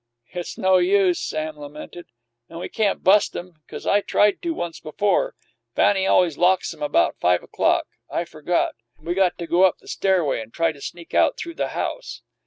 "It's no use," Sam lamented, "and we can't bust 'em, cause I tried to, once before. Fanny always locks 'em about five o'clock I forgot. We got to go up the stairway and try to sneak out through the house."